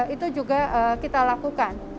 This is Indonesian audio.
itu juga kita lakukan